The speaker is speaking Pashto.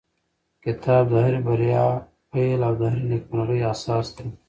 کتاب د هرې بریا پیل او د هرې نېکمرغۍ اساس دی.